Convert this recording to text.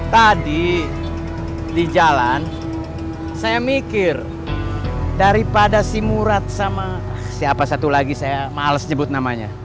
tadi di jalan saya mikir daripada si murat sama siapa satu lagi saya males nyebut namanya